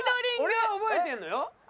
俺は覚えてるのよ。